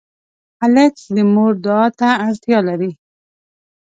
هلک د مور دعا ته اړتیا لري.